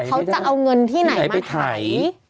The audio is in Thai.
เขาจะเอาเงินที่ไหนมาไถ